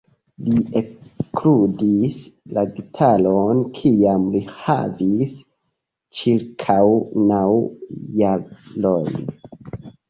Li ekludis la gitaron kiam li havis ĉirkaŭ naŭ jarojn.